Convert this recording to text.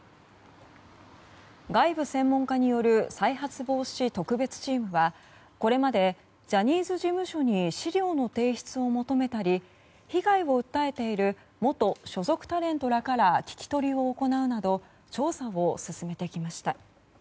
外部専門家による再発防止特別チームはこれまでジャニーズ事務所に資料の提出を求めたり被害を訴えている元所属タレントらから聞き取りを行うなど調査を進めてきました。